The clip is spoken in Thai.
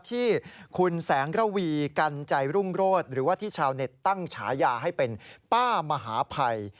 ที่คุณแสงระวีกันใจรุ่งโรศหรือว่าที่ชาวเน็ตตั้งฉายาให้เป็นป้ามหาภัย